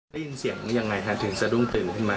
ได้ยินเสียงอย่างไรครับถึงสะดุ้งตื่นขึ้นมา